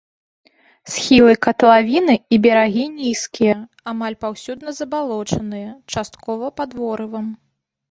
Схілы катлавіны і берагі нізкія, амаль паўсюдна забалочаныя, часткова пад ворывам.